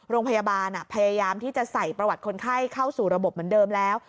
โรงพยาบาลพยายามที่จะใส่ประวัติคนไข้เข้าสู่ระบบเหมือนเดิมแล้ว